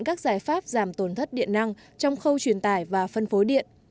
các giải pháp giảm tổn thất điện năng trong khâu truyền tải và phân phối điện